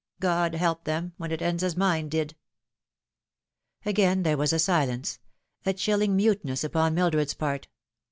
God help them, when it ends as mine did !" Again there was a silence a chilling muteness upon Mildred's part.